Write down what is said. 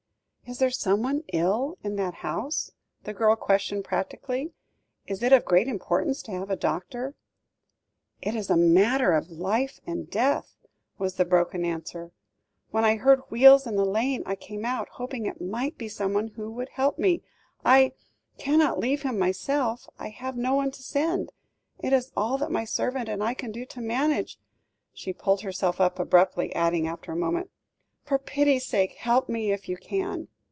"Is there someone ill in that house?" the girl questioned practically; "is it of great importance to have a doctor?" "It is a matter of life and death," was the broken answer; "when I heard wheels in the lane I came out, hoping it might be someone who would help me. I cannot leave him myself; I have no one to send it is all that my servant and I can do to manage " she pulled herself up abruptly, adding after a moment, "for pity's sake help me if you can."